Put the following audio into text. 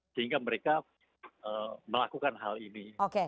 sehingga mereka melakukan hal ini